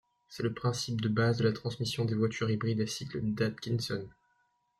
C'est le principe de base de la transmission des voitures hybrides à cycle d'Atkinson.